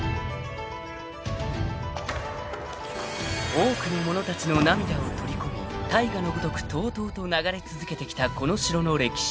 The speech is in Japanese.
［多くの者たちの涙を取り込み大河のごとくとうとうと流れ続けてきたこの城の歴史］